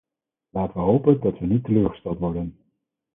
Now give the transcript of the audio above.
Laten we hopen dat we niet teleurgesteld worden.